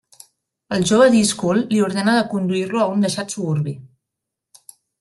El jove díscol li ordena de conduir-lo a un deixat suburbi.